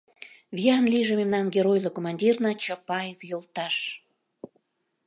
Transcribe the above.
Виян лийже мемнан геройло командирна Чапаев йолташ!